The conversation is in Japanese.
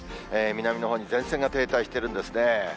南のほうに前線が停滞してるんですね。